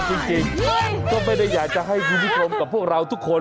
จริงก็ไม่ได้อยากจะให้คุณผู้ชมกับพวกเราทุกคน